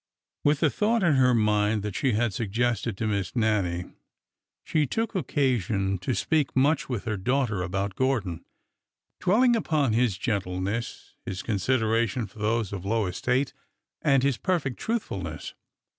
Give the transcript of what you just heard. With the thought in her mind that she had suggested to Miss Nannie, she took occasion to speak much with her daughter about Gordon, dwelling upon his gentleness, his consideration for those of low estate, and his perfect truthfulness.